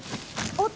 おっ？